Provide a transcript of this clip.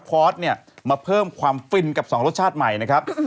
พอสเนี่ยมาเพิ่มความฟินกับ๒รสชาติใหม่นะครับ